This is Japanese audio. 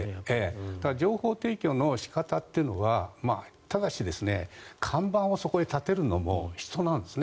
情報提供の仕方というのはただし、看板をそこに立てるのも人なんですね。